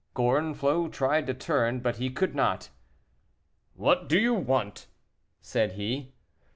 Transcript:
Gorenflot tried to turn, but he could not. "What do you want?" said he.